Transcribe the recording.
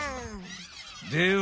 では